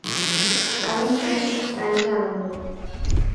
কারণ যা চিৎ, তা-ই যে আনন্দ।